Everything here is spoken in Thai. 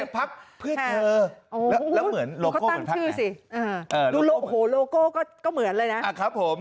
พักเพื่อเธอแล้วเหมือนคุณตั้งชื่อสิโลโก้ก็เหมือนเลยนะครับผม